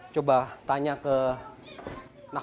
coba tanya ke mereka